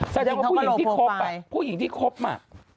ซึ่งของผู้หญิงที่ครบอ่ะผู้หญิงที่ครบอ่ะ